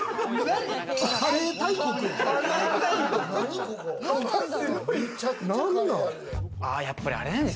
カレー大国やん。